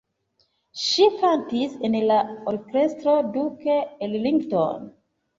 Ŝi kantis en la Orkestro Duke Ellington.